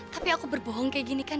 tapi aku berbohong kayak gini kan